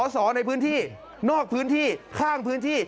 สอในพื้นที่นอกพื้นที่ข้างพื้นที่